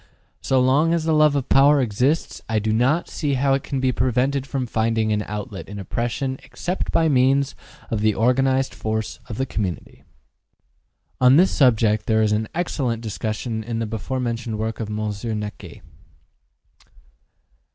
So long as the love of power exists, I do not see how it can be prevented from finding an outlet in oppression except by means of the organized force of the community. On this subject there is an excellent discussion in the before mentioned work of Monsieur Naquet.